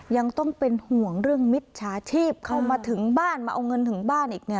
ยังต้องเป็นห่วงเรื่องมิจฉาชีพเข้ามาถึงบ้านมาเอาเงินถึงบ้านอีกเนี่ย